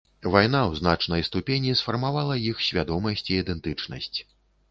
Вайна ў значнай ступені сфармавала іх свядомасць і ідэнтычнасць.